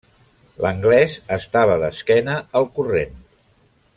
L'anglès estava d'esquena al corrent.